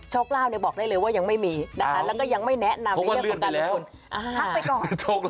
เล่าเนี่ยบอกได้เลยว่ายังไม่มีนะคะแล้วก็ยังไม่แนะนำในเรื่องของการลงทุนพักไปก่อน